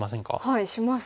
はいします。